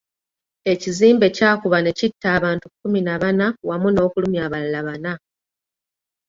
Ekizimbe kyakuba ne kitta abantu kkumi na bana wamu n'okulumya abalala bana.